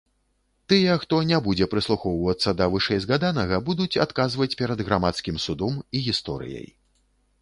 Тыя, хто не будзе прыслухоўвацца да вышэйзгаданага, будуць адказваць перад грамадскім судом і гісторыяй.